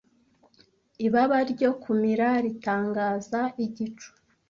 ibaba ryo kumira ritangaza igicu